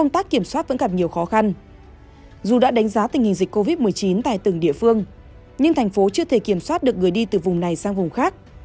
tại từng địa phương nhưng thành phố chưa thể kiểm soát được người đi từ vùng này sang vùng khác